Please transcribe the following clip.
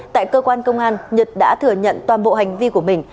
tại cơ quan công an nhật đã thừa nhận toàn bộ hành vi của mình